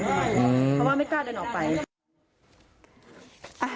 เขาว่าไม่กล้าได้ออกไป